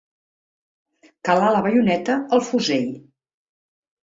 Calar la baioneta al fusell.